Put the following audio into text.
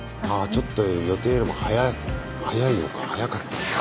ちょっと予定よりも早いのか早かったのか。